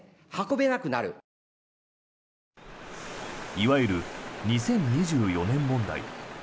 いわゆる２０２４年問題。